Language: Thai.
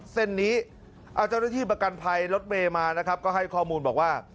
เส้นนี้เอาทหแรตชีพกัณภัยรถเบปมานะครับก็ให้ข้อมูลบอกว่า